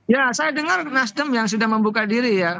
ya saya dengar nasdem yang sudah membuka diri ya